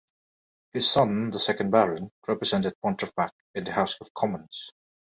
His son, the second Baron, represented Pontefract in the House of Commons.